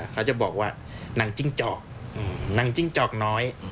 เขาจะบอกว่านางจิ้งจอกนางจิ้งจอกน้อย